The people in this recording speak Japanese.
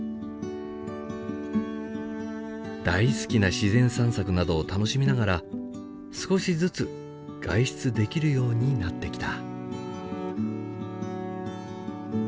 大好きな自然散策などを楽しみながら少しずつ外出できるようになってきた。